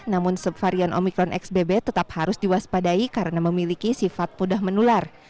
namun subvarian omikron xbb tetap harus diwaspadai karena memiliki sifat mudah menular